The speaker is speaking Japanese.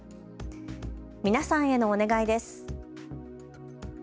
皆さんへのお願いです。